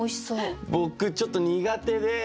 僕ちょっと苦手で。